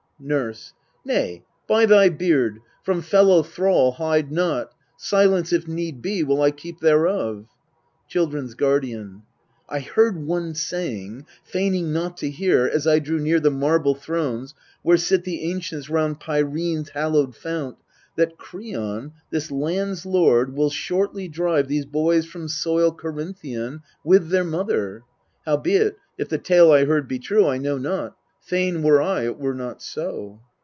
Nurse. Nay, by thy beard, from fellow thrall hide not Silence, if need be, will I keep thereof. Children's Guardian. I heard one saying feigning not to hear, As t l drew near the marble thrones, 1 where sit The ancients round Peirene's hallowed fount That Kreon, this land's lord, will shortly drive These boys from soil Corinthian with their mother ? Howbeit, if the tale I heard be true I know not ; fain were I it were not so.